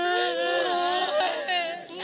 แม็กกี้อยากบอกอะไรกับครอบครัวภรรยาไหมเป็นครั้งสุดท้าย